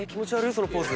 そのポーズ。